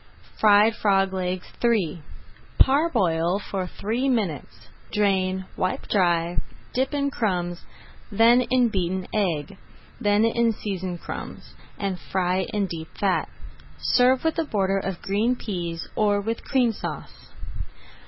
FRIED FROG LEGS III Parboil for three minutes, drain, wipe dry, dip in crumbs, then in beaten egg, then in seasoned crumbs, and fry in deep fat. Serve with a border of green peas, or with Cream Sauce.